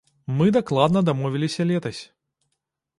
Мы дакладна дамовіліся летась.